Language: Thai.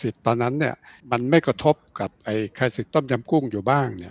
ตอนนั้นเนี่ยมันไม่กระทบกับไอ้คลายสิทธิ์ต้มยำกุ้งอยู่บ้างเนี่ย